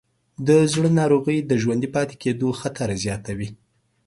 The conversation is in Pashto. د زړه ناروغۍ د ژوندي پاتې کېدو خطر زیاتوې.